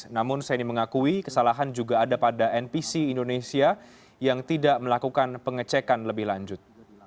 namun seni mengakui kesalahan juga ada pada npc indonesia yang tidak melakukan pengecekan lebih lanjut